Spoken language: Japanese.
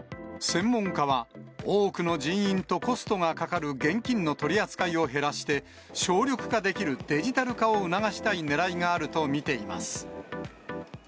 専門家は、多くの人員とコストがかかる現金の取り扱いを減らして、省力化できるデジタル化を促したいねらいがあると見ています。